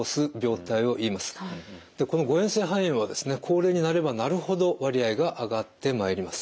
でこの誤嚥性肺炎は高齢になればなるほど割合が上がってまいります。